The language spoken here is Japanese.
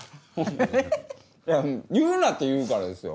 いや言うなって言うからですよ。